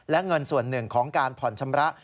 และเงินส่วนหนึ่งของการผ่อนชำระ